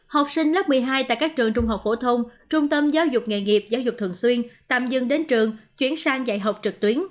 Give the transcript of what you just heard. học sinh lớp một mươi hai tại các trường trung học phổ thông trung tâm giáo dục nghề nghiệp giáo dục thường xuyên tạm dừng đến trường chuyển sang dạy học trực tuyến